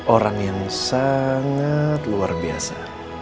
orang yang sangat luar biasa